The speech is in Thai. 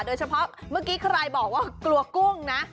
โดยเฉพาะเมื่อกี้ใครบอกว่ากลัวกุ้งนะ